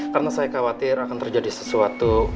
karena saya khawatir akan terjadi sesuatu